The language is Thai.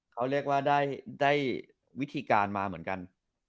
เขาเรียกว่าได้วิธีการมาเหมือนกัน